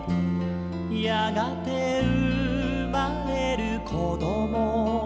「やがてうまれるこどもたち」